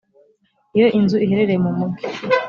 iyo nzu iherereye mu mujyi